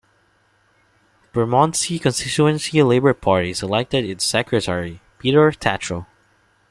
Bermondsey Constituency Labour Party selected its secretary Peter Tatchell.